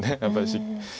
やっぱり。